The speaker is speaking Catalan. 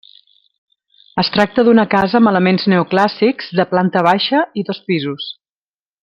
Es tracta d'una casa amb elements neoclàssics, de planta baixa i dos pisos.